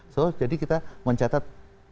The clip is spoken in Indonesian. so jadi kita mencatat